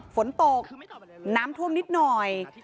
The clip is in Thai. ฝนตกน้ำท่วมนิดหน่อย